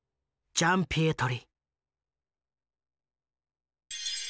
ジャンピエトリ。